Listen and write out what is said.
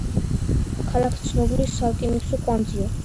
ქალაქი ცნობილი სარკინიგზო კვანძია.